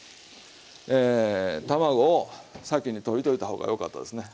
え卵を先に溶いておいた方がよかったですね。